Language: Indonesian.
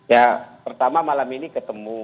ya pertama malam ini ketemu